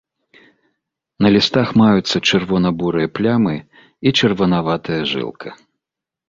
На лістах маюцца чырвона-бурыя плямы і чырванаватая жылка.